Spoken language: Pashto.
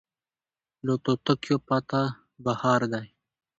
له توتکیو پاته بهار دی